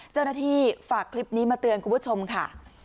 เจ้าหน้าที่ฝากคลิปนี้มาเตือนคุณผู้ชมค่ะ